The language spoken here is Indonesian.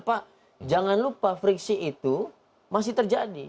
pak jangan lupa friksi itu masih terjadi